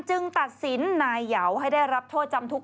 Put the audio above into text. ตัดสินนายเหยาวให้ได้รับโทษจำคุก